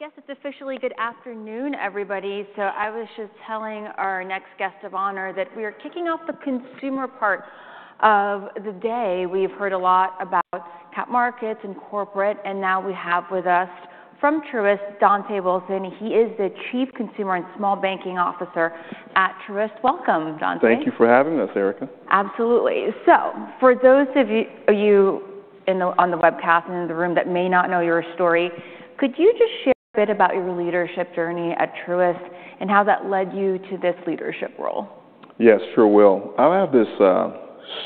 I guess it's officially good afternoon, everybody. I was just telling our next guest of honor that we are kicking off the consumer part of the day. We've heard a lot about cap markets and corporate, and now we have with us from Truist Dontá Wilson, and he is the Chief Consumer and Small Banking Officer at Truist. Welcome, Dontá. Thank you for having us, Erica. Absolutely. So for those of you on the webcast and in the room that may not know your story, could you just share a bit about your leadership journey at Truist and how that led you to this leadership role? Yes, sure, will. I'll have this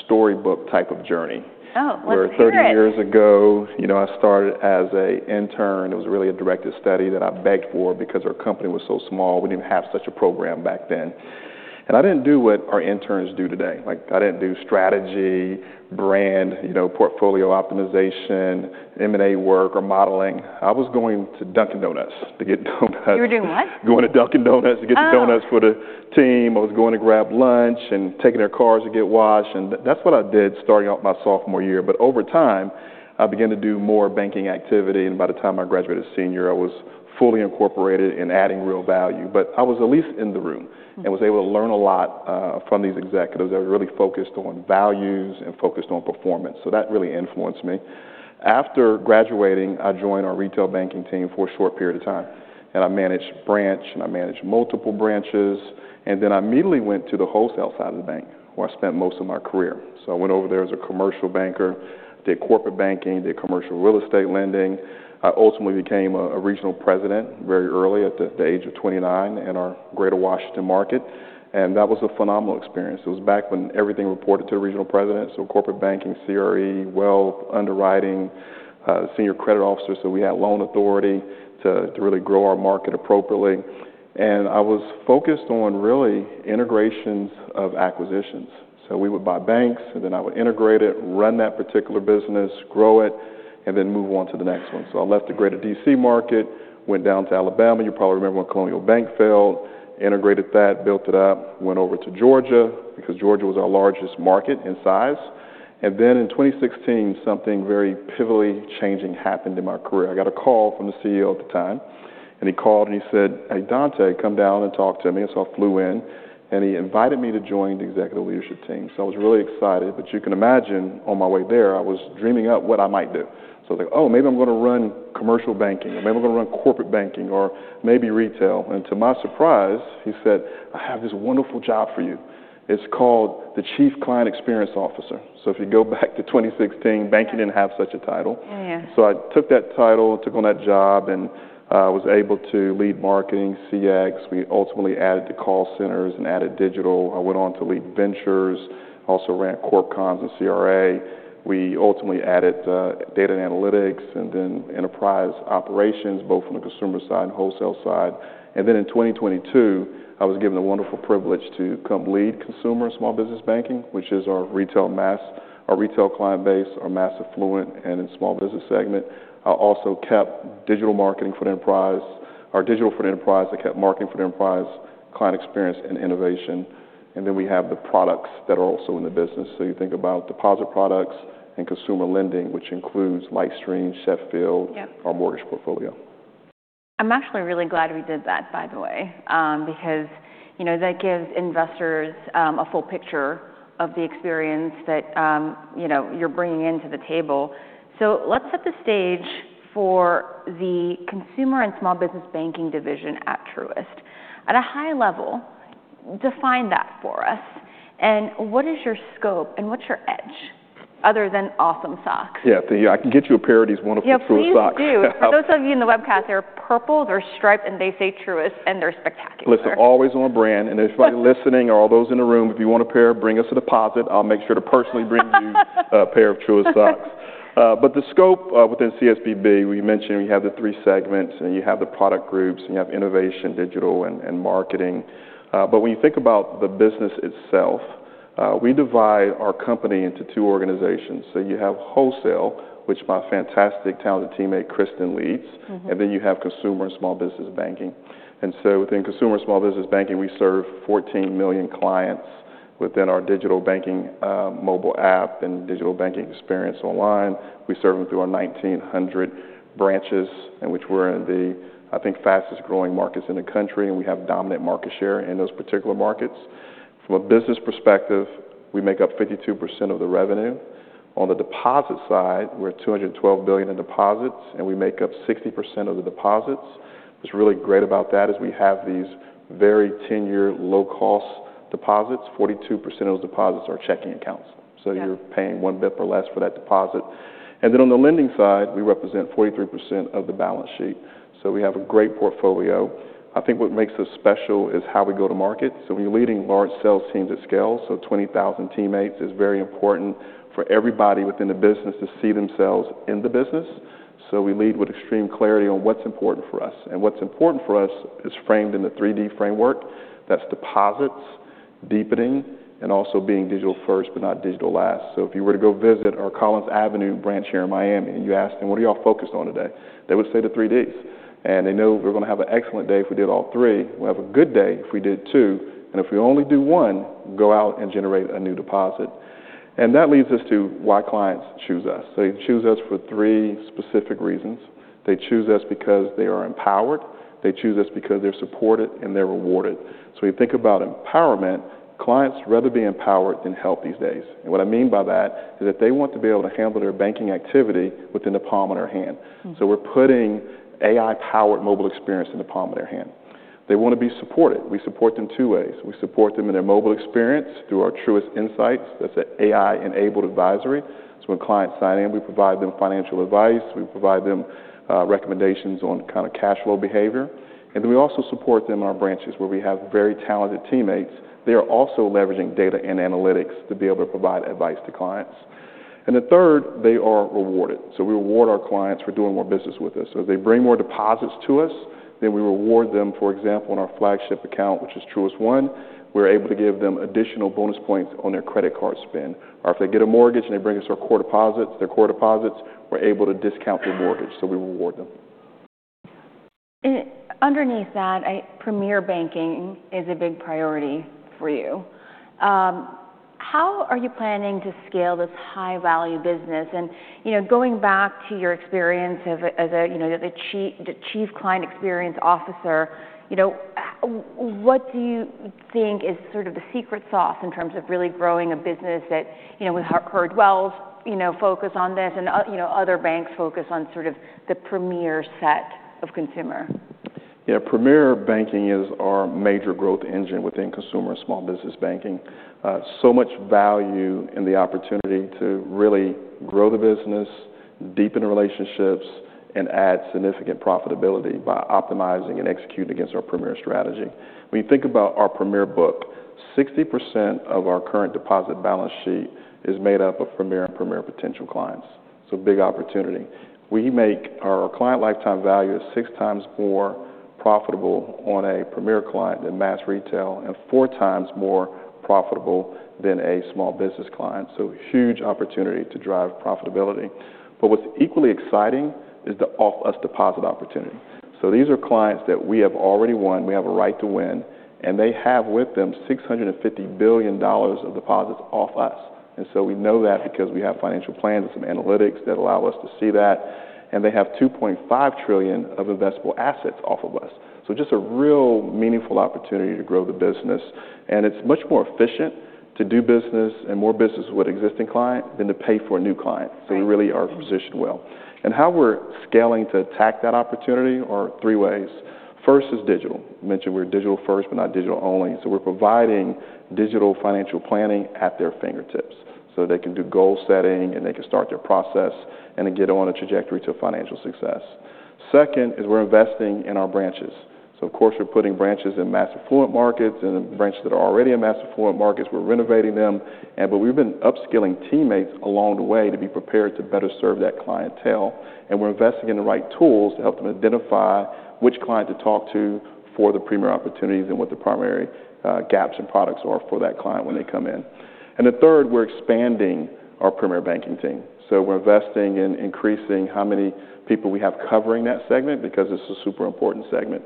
storybook type of journey. Oh, let's hear it. Where 30 years ago, I started as an intern. It was really a directed study that I begged for because our company was so small. We didn't have such a program back then. I didn't do what our interns do today. I didn't do strategy, brand, portfolio optimization, M&A work, or modeling. I was going to Dunkin' Donuts to get donuts. You were doing what? Going to Dunkin' Donuts to get the donuts for the team. I was going to grab lunch and taking their cars to get washed. And that's what I did starting out my sophomore year. But over time, I began to do more banking activity. And by the time I graduated senior, I was fully incorporated in adding real value. But I was at least in the room and was able to learn a lot from these executives that were really focused on values and focused on performance. So that really influenced me. After graduating, I joined our retail banking team for a short period of time. And I managed branch, and I managed multiple branches. And then I immediately went to the wholesale side of the bank, where I spent most of my career. So I went over there as a commercial banker, did corporate banking, did commercial real estate lending. I ultimately became a regional president very early at the age of 29 in our Greater Washington market. And that was a phenomenal experience. It was back when everything reported to the regional president. So corporate banking, CRE, wealth, underwriting, senior credit officer. So we had loan authority to really grow our market appropriately. And I was focused on really integrations of acquisitions. So we would buy banks, and then I would integrate it, run that particular business, grow it, and then move on to the next one. So I left the greater D.C. market, went down to Alabama you probably remember when Colonial Bank failed integrated that, built it up, went over to Georgia because Georgia was our largest market in size. Then in 2016, something very pivotally changing happened in my career. I got a call from the CEO at the time. He called and he said, "Hey, Dontá, come down and talk to me." So I flew in. He invited me to join the executive leadership team. I was really excited. But you can imagine, on my way there, I was dreaming up what I might do. I was like, "Oh, maybe I'm going to run commercial banking, or maybe I'm going to run corporate banking, or maybe retail." To my surprise, he said, "I have this wonderful job for you. It's called the Chief Client Experience Officer." If you go back to 2016, banking didn't have such a title. I took that title, took on that job, and was able to lead marketing, CX. We ultimately added to call centers and added digital. I went on to lead ventures, also ran CorpComms and CRA. We ultimately added data and analytics and then enterprise operations, both from the consumer side and wholesale side. Then in 2022, I was given the wonderful privilege to come lead consumer and small business banking, which is our retail mass our retail client base, our mass affluent, and small business segment. I also kept digital marketing for the enterprise our digital for the enterprise. I kept marketing for the enterprise, client experience, and innovation. Then we have the products that are also in the business. So you think about deposit products and consumer lending, which includes LightStream, Sheffield, our mortgage portfolio. I'm actually really glad we did that, by the way, because that gives investors a full picture of the experience that you're bringing to the table. Let's set the stage for the consumer and small business banking division at Truist. At a high level, define that for us. What is your scope, and what's your edge, other than awesome socks? Yeah, I can get you a pair of these wonderful Truist socks. Yep, please do. For those of you in the webcast, there are purples or striped, and they say Truist, and they're spectacular. Listen, always on brand. And if anybody listening or all those in the room, if you want a pair, bring us a deposit. I'll make sure to personally bring you a pair of Truist socks. But the scope within CSBB, we mentioned we have the three segments. And you have the product groups, and you have innovation, digital, and marketing. But when you think about the business itself, we divide our company into two organizations. So you have wholesale, which my fantastic talented teammate, Kristin, leads. And then you have consumer and small business banking. And so within consumer and small business banking, we serve 14 million clients within our digital banking mobile app and digital banking experience online. We serve them through our 1,900 branches, in which we're in the, I think, fastest growing markets in the country. And we have dominant market share in those particular markets. From a business perspective, we make up 52% of the revenue. On the deposit side, we're $212 billion in deposits. We make up 60% of the deposits. What's really great about that is we have these very 10-year low-cost deposits. 42% of those deposits are checking accounts. So you're paying 1 bp or less for that deposit. Then on the lending side, we represent 43% of the balance sheet. So we have a great portfolio. I think what makes us special is how we go to market. So when you're leading large sales teams at scale, so 20,000 teammates, it's very important for everybody within the business to see themselves in the business. So we lead with extreme clarity on what's important for us. And what's important for us is framed in the 3D framework. That's deposits, deepening, and also being digital first but not digital last. So if you were to go visit our Collins Avenue branch here in Miami, and you asked them, "What are y'all focused on today?" They would say the 3Ds. And they know we're going to have an excellent day if we did all three. We'll have a good day if we did two. And if we only do one, go out and generate a new deposit. And that leads us to why clients choose us. So they choose us for three specific reasons. They choose us because they are empowered. They choose us because they're supported and they're rewarded. So when you think about empowerment, clients rather be empowered than helped these days. And what I mean by that is that they want to be able to handle their banking activity within the palm of their hand. So we're putting AI-powered mobile experience in the palm of their hand. They want to be supported. We support them two ways. We support them in their mobile experience through our Truist Insights. That's an AI-enabled advisory. So when clients sign in, we provide them financial advice. We provide them recommendations on kind of cash flow behavior. And then we also support them in our branches, where we have very talented teammates. They are also leveraging data and analytics to be able to provide advice to clients. And the third, they are rewarded. So we reward our clients for doing more business with us. So as they bring more deposits to us, then we reward them. For example, in our flagship account, which is Truist One, we're able to give them additional bonus points on their credit card spend. Or if they get a mortgage and they bring us their core deposits, we're able to discount their mortgage. So we reward them. Underneath that, Premier Banking is a big priority for you. How are you planning to scale this high-value business? And going back to your experience as the Chief Client Experience Officer, what do you think is sort of the secret sauce in terms of really growing a business that we've heard, "Well, focus on this," and other banks focus on sort of the Premier set of consumer? Yeah, Premier Banking is our major growth engine within consumer and small business banking. So much value in the opportunity to really grow the business, deepen the relationships, and add significant profitability by optimizing and executing against our Premier strategy. When you think about our Premier book, 60% of our current deposit balance sheet is made up of Premier and Premier potential clients. So big opportunity. We make our client lifetime value 6 times more profitable on a Premier client than mass retail and 4 times more profitable than a small business client. So huge opportunity to drive profitability. But what's equally exciting is the off-us-deposit opportunity. So these are clients that we have already won. We have a right to win. And they have with them $650 billion of deposits off us. And so we know that because we have financial plans and some analytics that allow us to see that. And they have $2.5 trillion of investable assets off of us. So just a real meaningful opportunity to grow the business. And it's much more efficient to do business and more business with an existing client than to pay for a new client. So we really are positioned well. And how we're scaling to attack that opportunity are 3 ways. First is digital. We mentioned we're digital first but not digital only. So we're providing digital financial planning at their fingertips so they can do goal setting, and they can start their process, and then get on a trajectory to financial success. Second is we're investing in our branches. So of course, we're putting branches in mass affluent markets and branches that are already in mass affluent markets. We're renovating them. But we've been upskilling teammates along the way to be prepared to better serve that clientele. And we're investing in the right tools to help them identify which client to talk to for the Premier opportunities and what the primary gaps and products are for that client when they come in. And the third, we're expanding our Premier Banking team. So we're investing in increasing how many people we have covering that segment because it's a super important segment.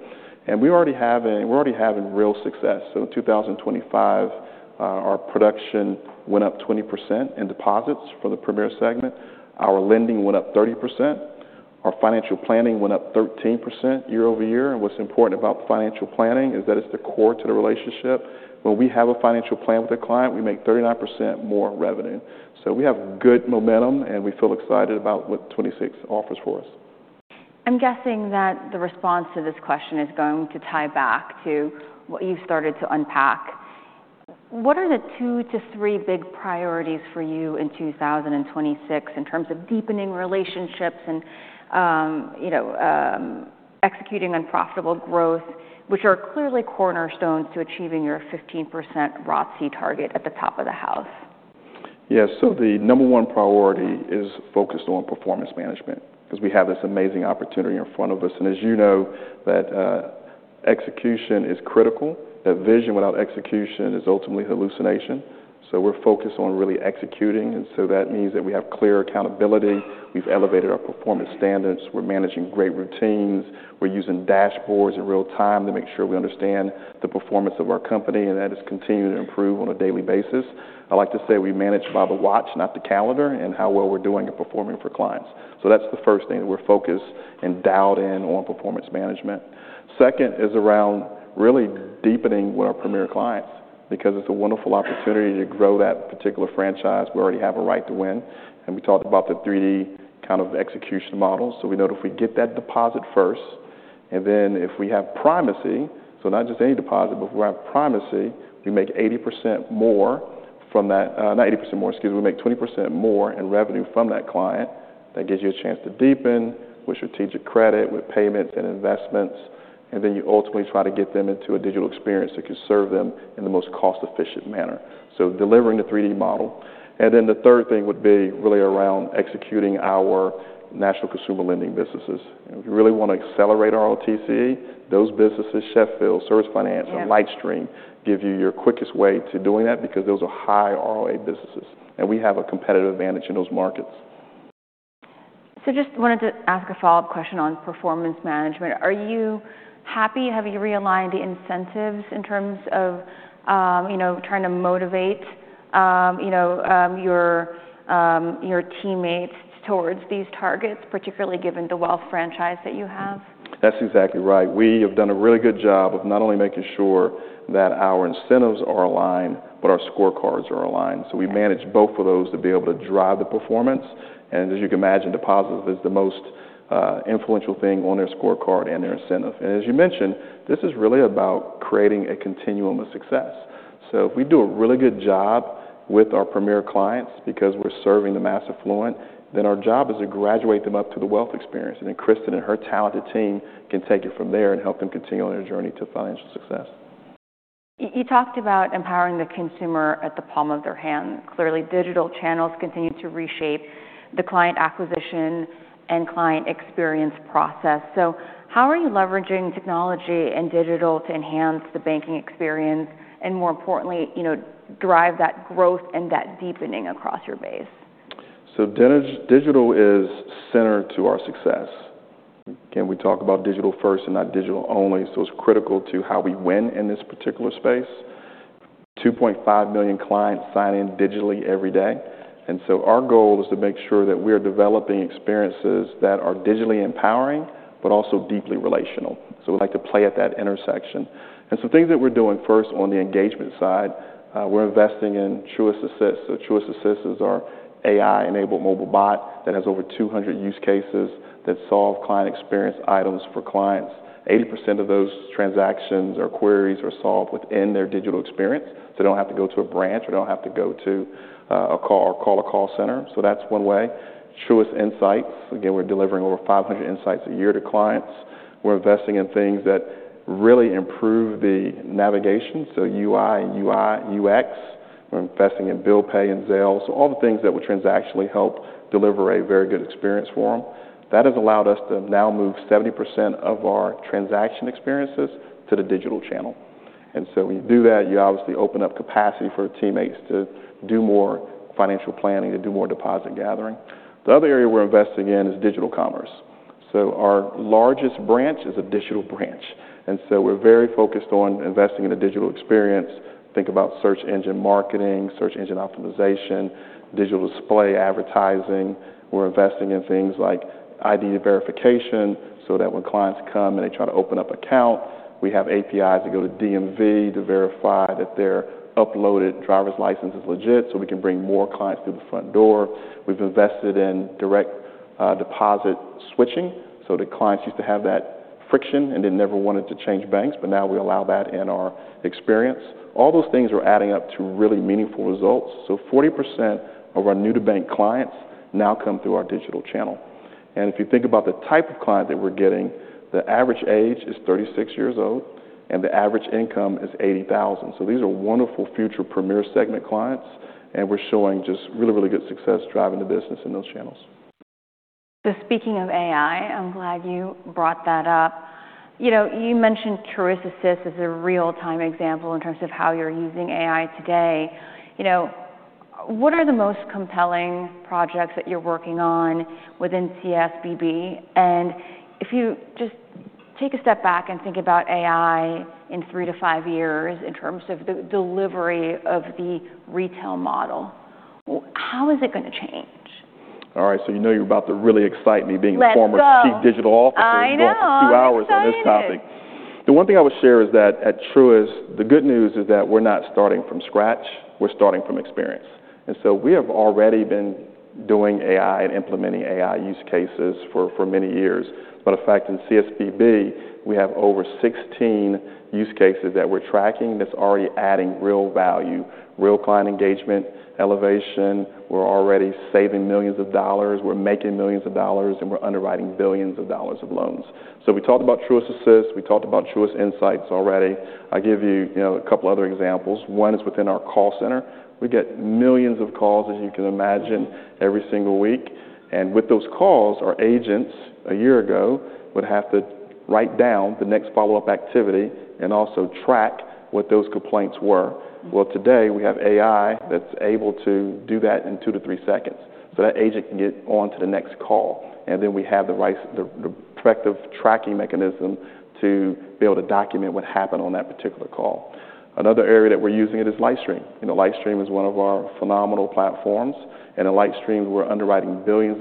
And we're already having real success. So in 2025, our production went up 20% in deposits for the Premier segment. Our lending went up 30%. Our financial planning went up 13% year-over-year. And what's important about the financial planning is that it's the core to the relationship. When we have a financial plan with a client, we make 39% more revenue. We have good momentum, and we feel excited about what 2026 offers for us. I'm guessing that the response to this question is going to tie back to what you've started to unpack. What are the 2 to 3 big priorities for you in 2026 in terms of deepening relationships and executing on profitable growth, which are clearly cornerstones to achieving your 15% ROTCE target at the top of the house? Yeah, so the number one priority is focused on performance management because we have this amazing opportunity in front of us. And as you know, execution is critical. That vision without execution is ultimately hallucination. So we're focused on really executing. And so that means that we have clear accountability. We've elevated our performance standards. We're managing great routines. We're using dashboards in real time to make sure we understand the performance of our company. And that is continuing to improve on a daily basis. I like to say we manage by the watch, not the calendar, and how well we're doing and performing for clients. So that's the first thing that we're focused and dialed in on performance management. Second is around really deepening with our Premier clients because it's a wonderful opportunity to grow that particular franchise. We already have a right to win. And we talked about the 3D kind of execution model. So we know that if we get that deposit first, and then if we have primacy so not just any deposit, but if we have primacy, we make 80% more from that not 80% more, excuse me. We make 20% more in revenue from that client. That gives you a chance to deepen with strategic credit, with payments and investments. And then you ultimately try to get them into a digital experience that can serve them in the most cost-efficient manner. So delivering the 3D model. And then the third thing would be really around executing our national consumer lending businesses. If you really want to accelerate our ROTCE, those businesses Sheffield, Service Finance, and LightStream give you your quickest way to doing that because those are high ROA businesses. And we have a competitive advantage in those markets. Just wanted to ask a follow-up question on performance management. Are you happy? Have you realigned the incentives in terms of trying to motivate your teammates towards these targets, particularly given the wealth franchise that you have? That's exactly right. We have done a really good job of not only making sure that our incentives are aligned but our scorecards are aligned. So we manage both of those to be able to drive the performance. And as you can imagine, deposits is the most influential thing on their scorecard and their incentive. And as you mentioned, this is really about creating a continuum of success. So if we do a really good job with our Premier clients because we're serving the mass affluent, then our job is to graduate them up to the wealth experience. And then Kristin and her talented team can take you from there and help them continue on their journey to financial success. You talked about empowering the consumer at the palm of their hand. Clearly, digital channels continue to reshape the client acquisition and client experience process. So how are you leveraging technology and digital to enhance the banking experience and, more importantly, drive that growth and that deepening across your base? So digital is central to our success. Can we talk about digital first and not digital only? So it's critical to how we win in this particular space. 2.5 million clients sign in digitally every day. And so our goal is to make sure that we are developing experiences that are digitally empowering but also deeply relational. So we'd like to play at that intersection. And some things that we're doing first on the engagement side, we're investing in Truist Assist. So Truist Assist is our AI-enabled mobile bot that has over 200 use cases that solve client experience items for clients. 80% of those transactions or queries are solved within their digital experience. So they don't have to go to a branch, or they don't have to go to a call or call a call center. So that's one way. Truist Insights, again, we're delivering over 500 insights a year to clients. We're investing in things that really improve the navigation. So UI, UI, UX. We're investing in Bill Pay and Zelle. So all the things that will transactionally help deliver a very good experience for them. That has allowed us to now move 70% of our transaction experiences to the digital channel. And so when you do that, you obviously open up capacity for teammates to do more financial planning, to do more deposit gathering. The other area we're investing in is digital commerce. So our largest branch is a digital branch. And so we're very focused on investing in a digital experience. Think about search engine marketing, search engine optimization, digital display advertising. We're investing in things like ID verification so that when clients come and they try to open up an account, we have APIs that go to DMV to verify that their uploaded driver's license is legit so we can bring more clients through the front door. We've invested in direct deposit switching. So the clients used to have that friction and didn't never wanted to change banks. But now we allow that in our experience. All those things are adding up to really meaningful results. So 40% of our new-to-bank clients now come through our digital channel. And if you think about the type of client that we're getting, the average age is 36 years old. And the average income is $80,000. So these are wonderful future Premier segment clients. And we're showing just really, really good success driving the business in those channels. So speaking of AI, I'm glad you brought that up. You mentioned Truist Assist as a real-time example in terms of how you're using AI today. What are the most compelling projects that you're working on within CSBB? And if you just take a step back and think about AI in three to five years in terms of the delivery of the retail model, how is it going to change? All right, so you know you're about to really excite me being a former chief digital officer. Let's go. You want two hours on this topic. The one thing I would share is that at Truist, the good news is that we're not starting from scratch. We're starting from experience. And so we have already been doing AI and implementing AI use cases for many years. But in fact, in CSBB, we have over 16 use cases that we're tracking that's already adding real value, real client engagement elevation. We're already saving $millions. We're making $millions. And we're underwriting $billions of loans. So we talked about Truist Assist. We talked about Truist Insights already. I'll give you a couple of other examples. One is within our call center. We get millions of calls, as you can imagine, every single week. With those calls, our agents a year ago would have to write down the next follow-up activity and also track what those complaints were. Well, today, we have AI that's able to do that in 2-3 seconds. So that agent can get on to the next call. Then we have the effective tracking mechanism to be able to document what happened on that particular call. Another area that we're using it is LightStream. LightStream is one of our phenomenal platforms. In LightStream, we're underwriting $ billions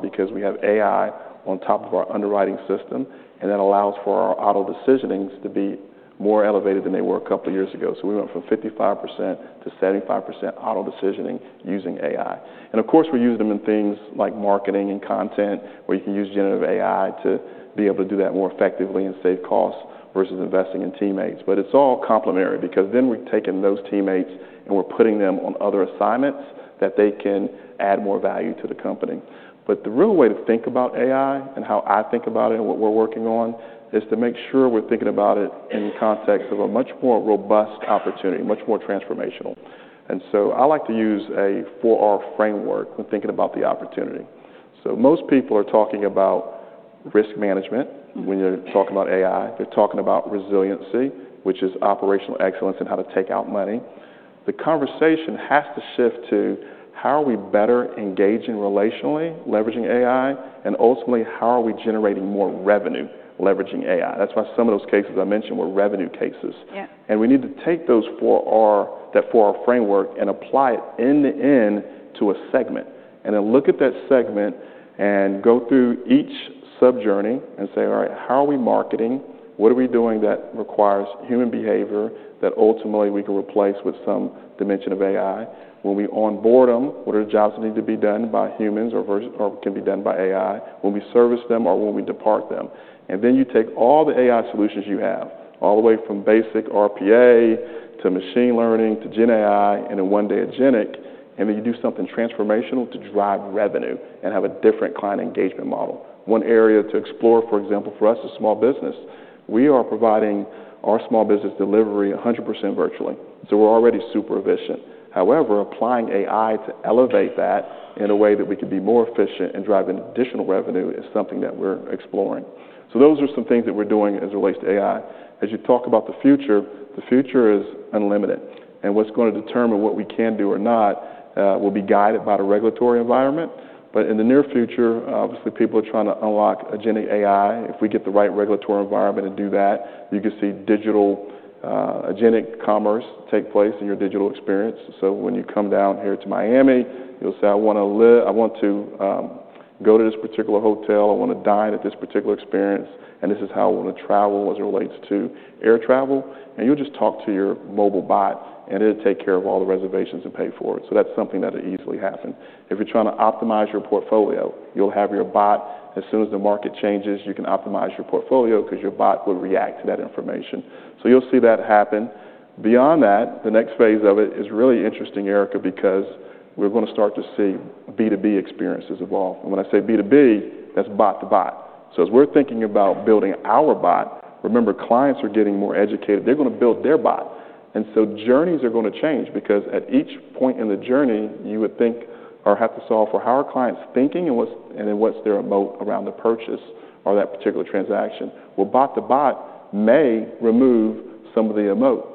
because we have AI on top of our underwriting system. That allows for our auto decisionings to be more elevated than they were a couple of years ago. So we went from 55% to 75% auto decisioning using AI. And of course, we use them in things like marketing and content where you can use generative AI to be able to do that more effectively and save costs versus investing in teammates. But it's all complementary because then we're taking those teammates, and we're putting them on other assignments that they can add more value to the company. But the real way to think about AI and how I think about it and what we're working on is to make sure we're thinking about it in the context of a much more robust opportunity, much more transformational. And so I like to use a 4R framework when thinking about the opportunity. So most people are talking about risk management when they're talking about AI. They're talking about resiliency, which is operational excellence and how to take out money. The conversation has to shift to how are we better engaging relationally, leveraging AI? Ultimately, how are we generating more revenue leveraging AI? That's why some of those cases I mentioned were revenue cases. We need to take that 4R framework and apply it in the end to a segment and then look at that segment and go through each sub-journey and say, all right, how are we marketing? What are we doing that requires human behavior that ultimately we can replace with some dimension of AI? When we onboard them, what are the jobs that need to be done by humans or can be done by AI when we service them or when we depart them? Then you take all the AI solutions you have, all the way from basic RPA to machine learning to Gen AI and then one day agentic, and then you do something transformational to drive revenue and have a different client engagement model. One area to explore, for example, for us as a small business, we are providing our small business delivery 100% virtually. So we're already super efficient. However, applying AI to elevate that in a way that we can be more efficient and drive additional revenue is something that we're exploring. So those are some things that we're doing as it relates to AI. As you talk about the future, the future is unlimited. And what's going to determine what we can do or not will be guided by the regulatory environment. But in the near future, obviously, people are trying to unlock Agentic AI. If we get the right regulatory environment to do that, you could see agentic commerce take place in your digital experience. So when you come down here to Miami, you'll say, "I want to go to this particular hotel. I want to dine at this particular experience. And this is how I want to travel as it relates to air travel." And you'll just talk to your mobile bot, and it'll take care of all the reservations and pay for it. So that's something that'll easily happen. If you're trying to optimize your portfolio, you'll have your bot. As soon as the market changes, you can optimize your portfolio because your bot will react to that information. So you'll see that happen. Beyond that, the next phase of it is really interesting, Erica, because we're going to start to see B2B experiences evolve. When I say B2B, that's bot to bot. So as we're thinking about building our bot, remember, clients are getting more educated. They're going to build their bot. And so journeys are going to change because at each point in the journey, you would think or have to solve for how are clients thinking and then what's their emotion around the purchase or that particular transaction. Well, bot to bot may remove some of the emotion.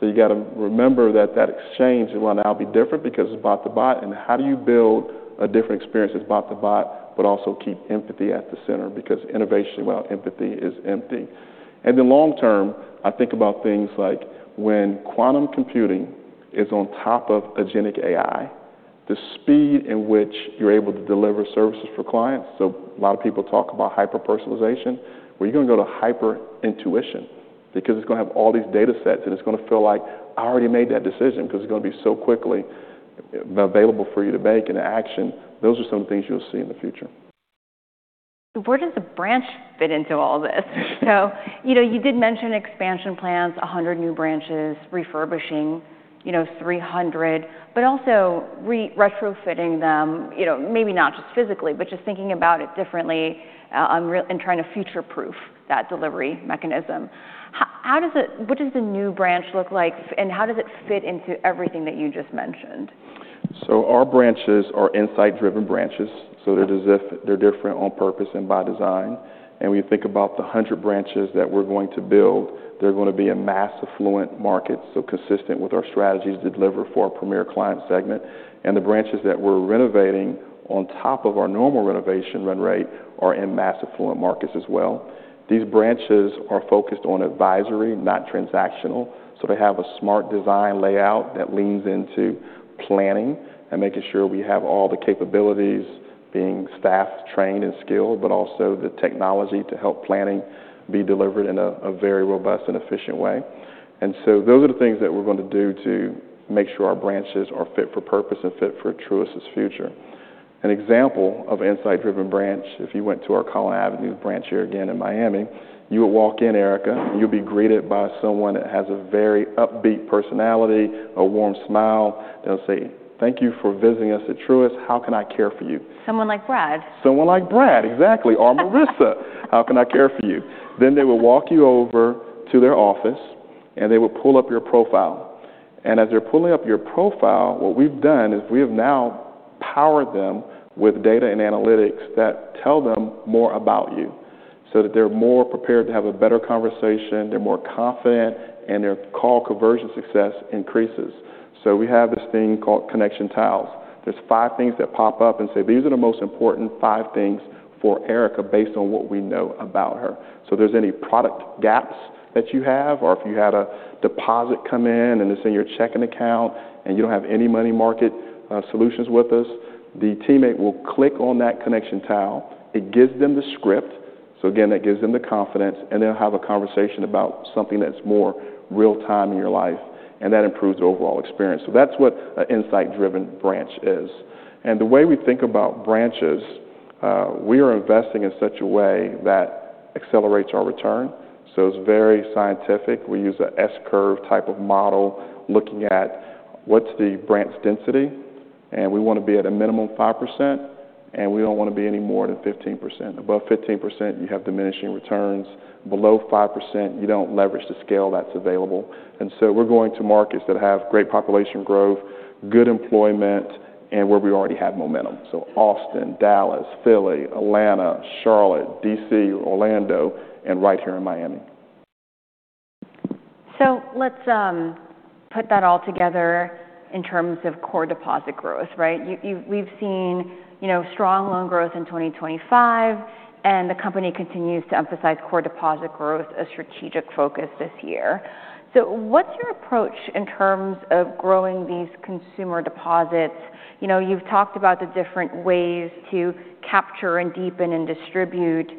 So you've got to remember that that exchange will now be different because it's bot to bot. And how do you build a different experience that's bot to bot but also keep empathy at the center? Because innovation, well, empathy is empty. Then long term, I think about things like when quantum computing is on top of Agentic AI, the speed in which you're able to deliver services for clients, so a lot of people talk about hyper-personalization where you're going to go to hyper-intuition because it's going to have all these data sets. And it's going to feel like I already made that decision because it's going to be so quickly available for you to make an action. Those are some of the things you'll see in the future. Where does the branch fit into all this? So you did mention expansion plans, 100 new branches, refurbishing 300, but also retrofitting them, maybe not just physically but just thinking about it differently and trying to future-proof that delivery mechanism. What does the new branch look like? And how does it fit into everything that you just mentioned? So our branches are insight-driven branches. So they're different on purpose and by design. And when you think about the 100 branches that we're going to build, they're going to be in mass affluent markets, so consistent with our strategies to deliver for our Premier client segment. And the branches that we're renovating on top of our normal renovation run rate are in mass affluent markets as well. These branches are focused on advisory, not transactional. So they have a smart design layout that leans into planning and making sure we have all the capabilities being staff trained and skilled but also the technology to help planning be delivered in a very robust and efficient way. And so those are the things that we're going to do to make sure our branches are fit for purpose and fit for Truist's future. An example of an insight-driven branch, if you went to our Collins Avenue branch here again in Miami, you would walk in, Erica. You'll be greeted by someone that has a very upbeat personality, a warm smile. They'll say, thank you for visiting us at Truist. How can I care for you? Someone like Brad. Someone like Brad, exactly, or Marissa. How can I care for you? Then they would walk you over to their office. And they would pull up your profile. And as they're pulling up your profile, what we've done is we have now powered them with data and analytics that tell them more about you so that they're more prepared to have a better conversation. They're more confident. And their call conversion success increases. So we have this thing called connection tiles. There's five things that pop up and say, these are the most important five things for Erica based on what we know about her. So if there's any product gaps that you have or if you had a deposit come in, and it's in your checking account, and you don't have any money market solutions with us, the teammate will click on that connection tile. It gives them the script. So again, that gives them the confidence. And they'll have a conversation about something that's more real-time in your life. And that improves the overall experience. So that's what an insight-driven branch is. And the way we think about branches, we are investing in such a way that accelerates our return. So it's very scientific. We use an S-curve type of model looking at what's the branch density. And we want to be at a minimum of 5%. And we don't want to be any more than 15%. Above 15%, you have diminishing returns. Below 5%, you don't leverage the scale that's available. And so we're going to markets that have great population growth, good employment, and where we already have momentum, so Austin, Dallas, Philly, Atlanta, Charlotte, D.C., Orlando, and right here in Miami. Let's put that all together in terms of core deposit growth, right? We've seen strong loan growth in 2025. The company continues to emphasize core deposit growth as a strategic focus this year. What's your approach in terms of growing these consumer deposits? You've talked about the different ways to capture and deepen and distribute.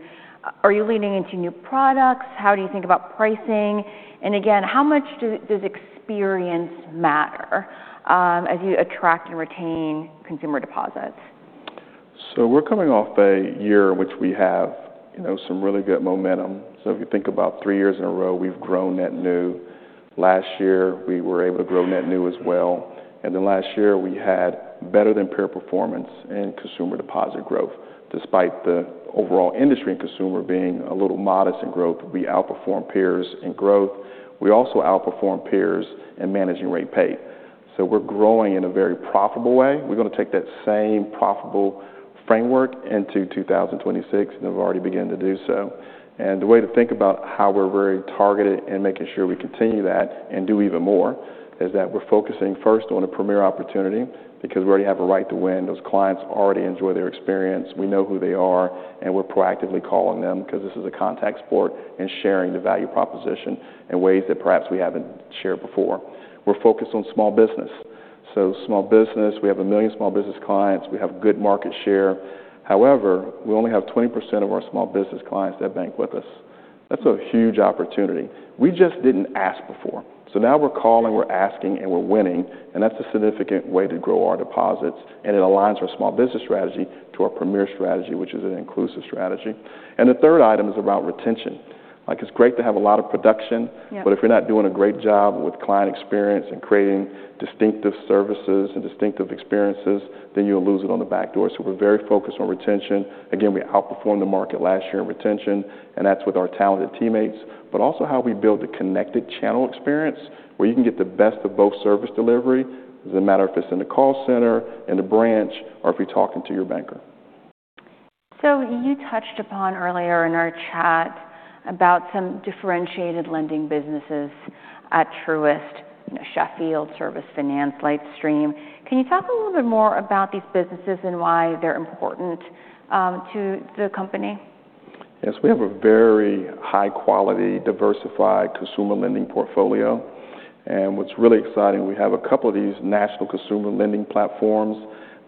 Are you leaning into new products? How do you think about pricing? And again, how much does experience matter as you attract and retain consumer deposits? So we're coming off a year in which we have some really good momentum. So if you think about three years in a row, we've grown net new. Last year, we were able to grow net new as well. And then last year, we had better than peer performance in consumer deposit growth despite the overall industry and consumer being a little modest in growth. We outperformed peers in growth. We also outperformed peers in managing rate paid. So we're growing in a very profitable way. We're going to take that same profitable framework into 2026. And they've already begun to do so. And the way to think about how we're very targeted and making sure we continue that and do even more is that we're focusing first on a Premier opportunity because we already have a right to win. Those clients already enjoy their experience. We know who they are. We're proactively calling them because this is a contact sport and sharing the value proposition in ways that perhaps we haven't shared before. We're focused on small business. Small business, we have 1 million small business clients. We have good market share. However, we only have 20% of our small business clients that bank with us. That's a huge opportunity. We just didn't ask before. Now we're calling. We're asking. And we're winning. That's a significant way to grow our deposits. It aligns our small business strategy to our Premier strategy, which is an inclusive strategy. The third item is about retention. It's great to have a lot of production. But if you're not doing a great job with client experience and creating distinctive services and distinctive experiences, then you'll lose it on the back door. We're very focused on retention. Again, we outperformed the market last year in retention. That's with our talented teammates but also how we build the connected channel experience where you can get the best of both service delivery. It doesn't matter if it's in the call center, in the branch, or if you're talking to your banker. So you touched upon earlier in our chat about some differentiated lending businesses at Truist, Sheffield, Service Finance, LightStream. Can you talk a little bit more about these businesses and why they're important to the company? Yes. We have a very high-quality, diversified consumer lending portfolio. What's really exciting, we have a couple of these national consumer lending platforms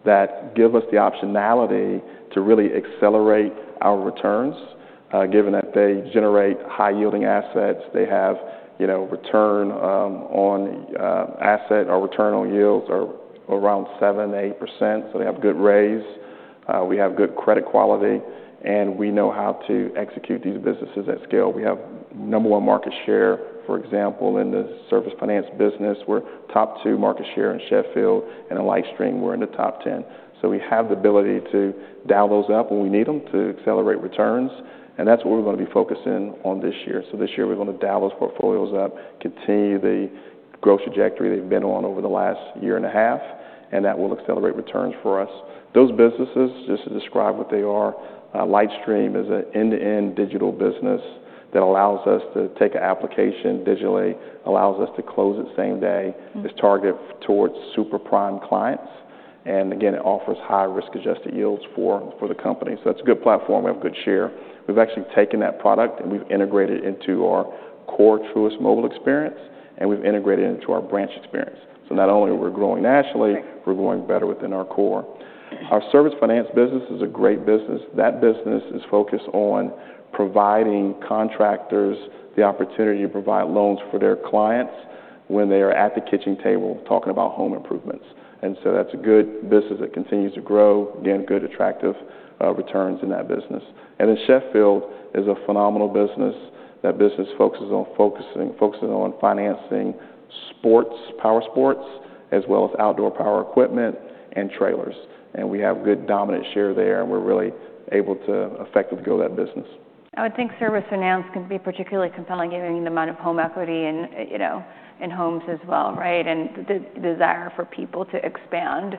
that give us the optionality to really accelerate our returns given that they generate high-yielding assets. They have return on asset or return on yields around 7%, 8%. So they have good ROA. We have good credit quality. We know how to execute these businesses at scale. We have number one market share, for example, in the Service Finance business. We're top two market share in Sheffield. In LightStream, we're in the top 10. So we have the ability to dial those up when we need them to accelerate returns. That's what we're going to be focusing on this year. So this year, we're going to dial those portfolios up, continue the growth trajectory they've been on over the last year and a half. And that will accelerate returns for us. Those businesses, just to describe what they are, LightStream is an end-to-end digital business that allows us to take an application digitally, allows us to close it same day. It's targeted towards super-prime clients. And again, it offers high-risk-adjusted yields for the company. So that's a good platform. We have good share. We've actually taken that product. And we've integrated it into our core Truist mobile experience. And we've integrated it into our branch experience. So not only are we growing nationally, we're growing better within our core. Our Service Finance business is a great business. That business is focused on providing contractors the opportunity to provide loans for their clients when they are at the kitchen table talking about home improvements. And so that's a good business that continues to grow, getting good, attractive returns in that business. And then Sheffield is a phenomenal business. That business focuses on financing sports, power sports, as well as outdoor power equipment and trailers. And we have good dominant share there. And we're really able to effectively grow that business. I would think Service Finance can be particularly compelling given the amount of home equity in homes as well, right, and the desire for people to expand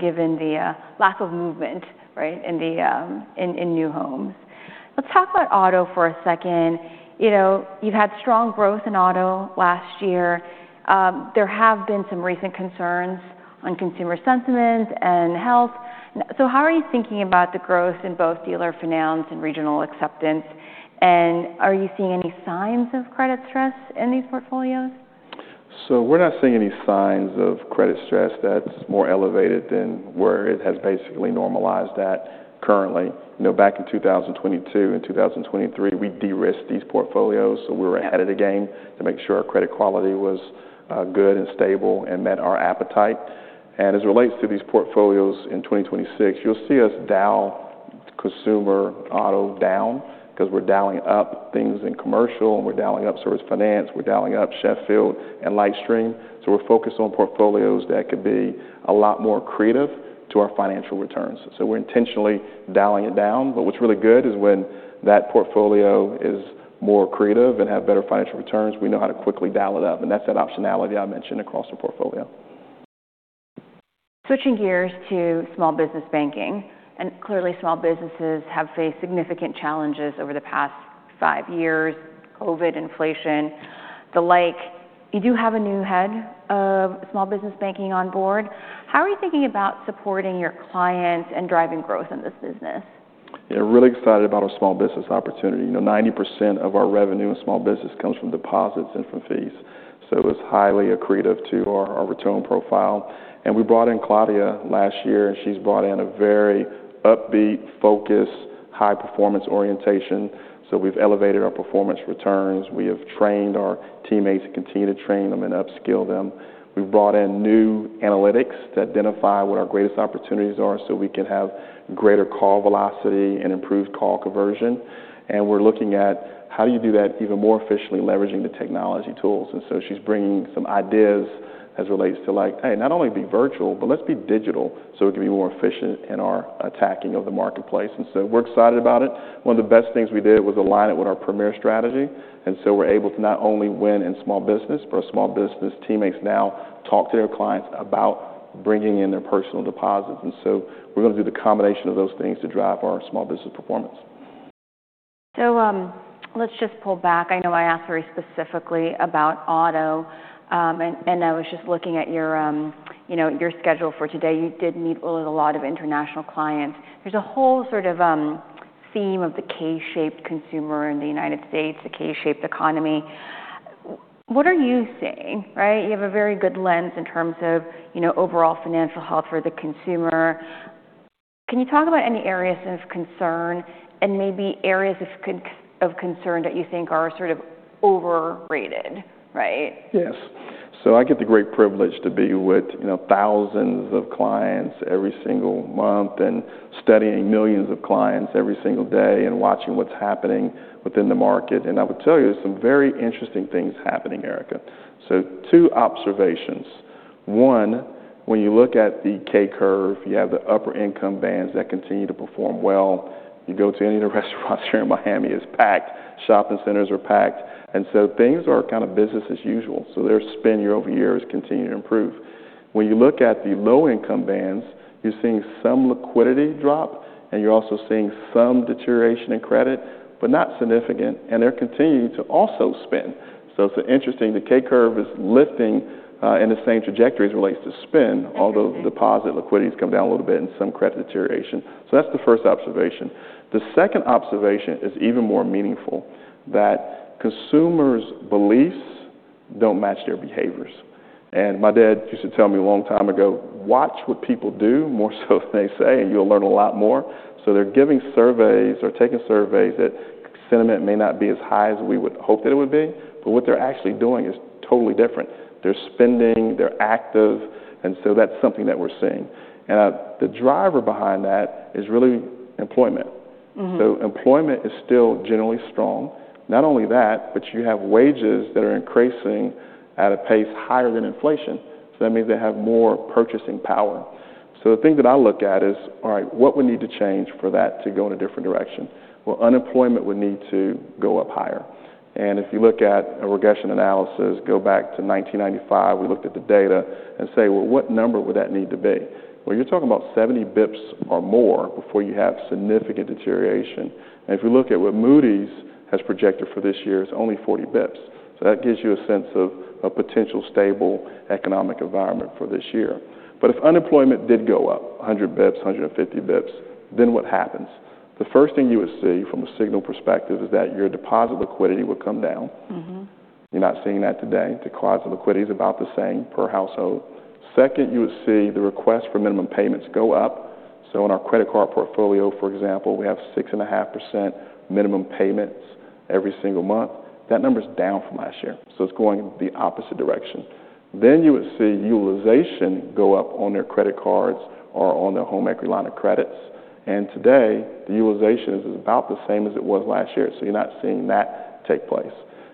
given the lack of movement in new homes. Let's talk about auto for a second. You've had strong growth in auto last year. There have been some recent concerns on consumer sentiment and health. So how are you thinking about the growth in both dealer finance and regional acceptance? And are you seeing any signs of credit stress in these portfolios? So we're not seeing any signs of credit stress. That's more elevated than where it has basically normalized at currently. Back in 2022 and 2023, we de-risked these portfolios. So we were ahead of the game to make sure our credit quality was good and stable and met our appetite. And as it relates to these portfolios in 2026, you'll see us dial consumer auto down because we're dialing up things in commercial. And we're dialing up Service Finance. We're dialing up Sheffield and LightStream. So we're focused on portfolios that could be a lot more accretive to our financial returns. So we're intentionally dialing it down. But what's really good is when that portfolio is more accretive and has better financial returns, we know how to quickly dial it up. And that's that optionality I mentioned across the portfolio. Switching gears to small business banking. Clearly, small businesses have faced significant challenges over the past five years: COVID, inflation, the like. You do have a new head of small business banking on board. How are you thinking about supporting your clients and driving growth in this business? Yeah. Really excited about our small business opportunity. 90% of our revenue in small business comes from deposits and from fees. So it's highly accretive to our return profile. We brought in Claudia last year. She's brought in a very upbeat, focused, high-performance orientation. We've elevated our performance returns. We have trained our teammates and continue to train them and upskill them. We've brought in new analytics to identify what our greatest opportunities are so we can have greater call velocity and improved call conversion. We're looking at how do you do that even more efficiently, leveraging the technology tools. She's bringing some ideas as it relates to, like, hey, not only be virtual, but let's be digital so it can be more efficient in our attacking of the marketplace. We're excited about it. One of the best things we did was align it with our Premier strategy. So we're able to not only win in small business, but our small business teammates now talk to their clients about bringing in their personal deposits. So we're going to do the combination of those things to drive our small business performance. So let's just pull back. I know I asked very specifically about auto. And I was just looking at your schedule for today. You did meet with a lot of international clients. There's a whole sort of theme of the K-shaped consumer in the United States, the K-shaped economy. What are you seeing, right? You have a very good lens in terms of overall financial health for the consumer. Can you talk about any areas of concern and maybe areas of concern that you think are sort of overrated, right? Yes. So I get the great privilege to be with thousands of clients every single month and studying millions of clients every single day and watching what's happening within the market. And I would tell you, there's some very interesting things happening, Erica. So two observations. One, when you look at the K-curve, you have the upper income bands that continue to perform well. You go to any of the restaurants here in Miami, it's packed. Shopping centers are packed. And so things are kind of business as usual. So their spend year-over-year has continued to improve. When you look at the low income bands, you're seeing some liquidity drop. And you're also seeing some deterioration in credit but not significant. And they're continuing to also spend. So it's interesting. The K-curve is lifting in the same trajectory as it relates to spend, although the deposit liquidity has come down a little bit and some credit deterioration. So that's the first observation. The second observation is even more meaningful, that consumers' beliefs don't match their behaviors. And my dad used to tell me a long time ago, watch what people do more so than they say. And you'll learn a lot more. So they're giving surveys or taking surveys that sentiment may not be as high as we would hope that it would be. But what they're actually doing is totally different. They're spending. They're active. And so that's something that we're seeing. And the driver behind that is really employment. So employment is still generally strong. Not only that, but you have wages that are increasing at a pace higher than inflation. So that means they have more purchasing power. So the thing that I look at is, all right, what would need to change for that to go in a different direction? Well, unemployment would need to go up higher. And if you look at a regression analysis, go back to 1995. We looked at the data and say, well, what number would that need to be? Well, you're talking about 70 bps or more before you have significant deterioration. And if you look at what Moody's has projected for this year, it's only 40 bps. So that gives you a sense of a potential stable economic environment for this year. But if unemployment did go up 100 bps, 150 bps, then what happens? The first thing you would see from a signal perspective is that your deposit liquidity would come down. You're not seeing that today. The deposit liquidity is about the same per household. Second, you would see the request for minimum payments go up. So in our credit card portfolio, for example, we have 6.5% minimum payments every single month. That number is down from last year. So it's going the opposite direction. Then you would see utilization go up on their credit cards or on their home equity lines of credit. And today, the utilization is about the same as it was last year. So you're not seeing that take place.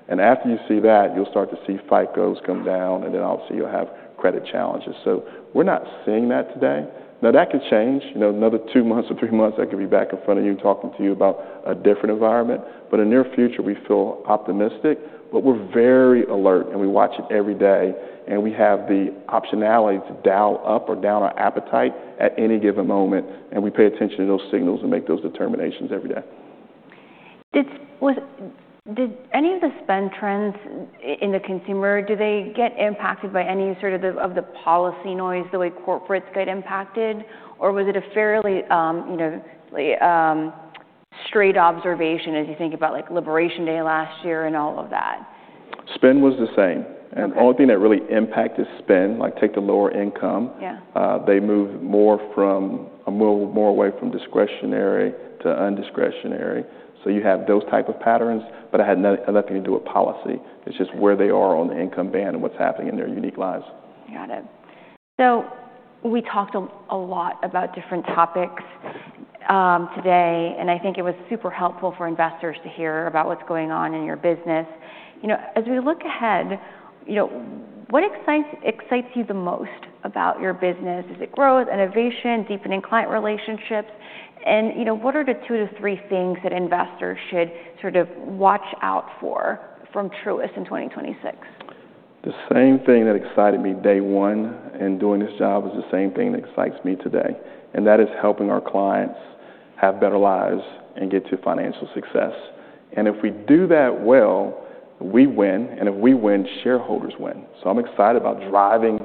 And after you see that, you'll start to see FICOs come down. And then obviously, you'll have credit challenges. So we're not seeing that today. Now, that could change. Another 2 months or 3 months, I could be back in front of you talking to you about a different environment. But in the near future, we feel optimistic. But we're very alert. We watch it every day. We have the optionality to dial up or down our appetite at any given moment. We pay attention to those signals and make those determinations every day. Did any of the spend trends in the consumer, do they get impacted by any sort of the policy noise, the way corporates get impacted? Or was it a fairly straight observation as you think about Liberation Day last year and all of that? Spend was the same. The only thing that really impacted spend, like take the lower income, they moved more away from discretionary to undiscretionary. You have those type of patterns. It had nothing to do with policy. It's just where they are on the income band and what's happening in their unique lives. Got it. We talked a lot about different topics today. I think it was super helpful for investors to hear about what's going on in your business. As we look ahead, what excites you the most about your business? Is it growth, innovation, deepening client relationships? What are the two to three things that investors should sort of watch out for from Truist in 2026? The same thing that excited me day one in doing this job is the same thing that excites me today. And that is helping our clients have better lives and get to financial success. And if we do that well, we win. And if we win, shareholders win. So I'm excited about driving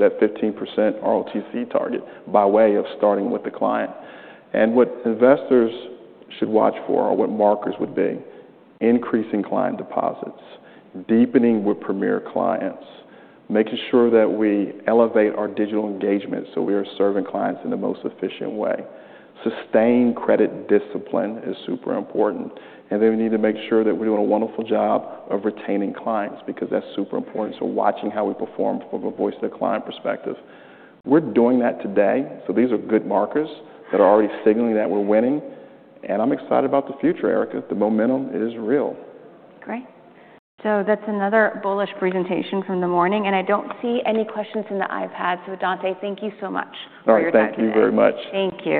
that 15% ROTCE target by way of starting with the client. And what investors should watch for, or what markers, would be increasing client deposits, deepening with Premier clients, making sure that we elevate our digital engagement so we are serving clients in the most efficient way. Sustained credit discipline is super important. And then we need to make sure that we're doing a wonderful job of retaining clients because that's super important. So watching how we perform from a voice of the client perspective. We're doing that today. These are good markers that are already signaling that we're winning. I'm excited about the future, Erica. The momentum is real. Great. So that's another bullish presentation from the morning. And I don't see any questions in the iPad. So Dontá, thank you so much for your time today. All right. Thank you very much. Thank you.